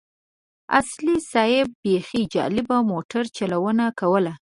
اصولي صیب بيخي جالبه موټر چلونه کوله.